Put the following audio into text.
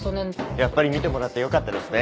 やっぱり見てもらってよかったですね。